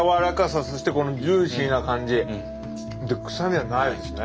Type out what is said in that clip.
臭みはないですね。